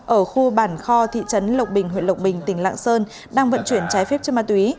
ở khu bản kho thị trấn lộc bình huyện lộc bình tỉnh lạng sơn đang vận chuyển trái phép trên ma túy